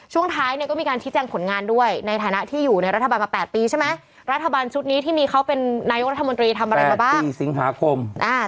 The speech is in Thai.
ช่วงท้ายเนี่ยก็มีการชี้แจงผลงานด้วยในฐานะที่อยู่ในรัฐบาลมา๘ปีใช่ไหมรัฐบาลชุดนี้ที่มีเขาเป็นนายกรัฐมนตรีทำอะไรมาบ้าง๔สิงหาคม